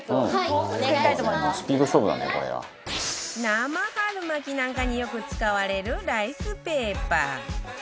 生春巻きなんかによく使われるライスペーパー